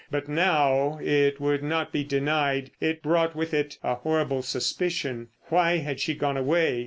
But now it would not be denied. It brought with it a horrible suspicion. Why had she gone away?